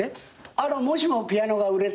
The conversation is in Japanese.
あの「もしもピアノが売れたなら」って。